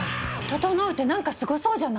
「ととのう」ってなんかスゴそうじゃない！